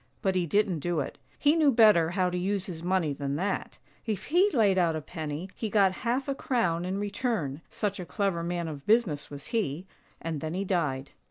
But he didn't do it — he knew better how to use his money than that: if he laid out a penny, he got half a crown in return, such a clever man of business was he — and then he died.